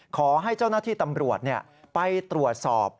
ขอให้เจ้าหน้าที่ตำรวจไปตรวจสอบ